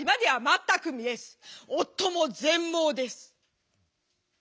夫も全盲です。